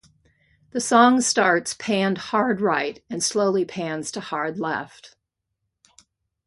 The song starts panned hard right and slowly pans to hard left.